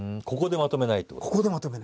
ここでまとめない。